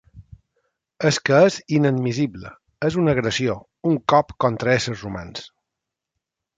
És que és inadmissible, és una agressió, un cop contra éssers humans.